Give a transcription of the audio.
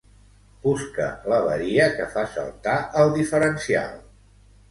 Buscar l'avaria que fa saltar el diferencial